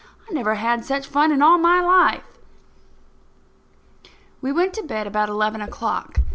I never had such fun in all my life." We went to bed about eleven o'clock.